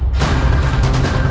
entsah sekarang ridiculously